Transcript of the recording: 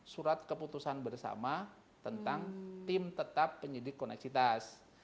surat keputusan bersama tentang tim tetap penyidik koneksitas